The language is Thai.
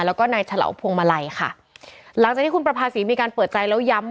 แล้วก็นายฉลาวพวงมาลัยค่ะหลังจากที่คุณประภาษีมีการเปิดใจแล้วย้ำ